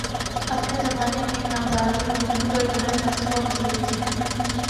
۔ اپنے زمانہ میں نادرالوجود اور بلند مرتبہ بزرگ تھے